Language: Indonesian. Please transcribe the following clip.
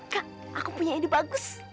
kak aku punya ide bagus